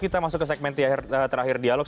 kita masuk ke segmen terakhir dialog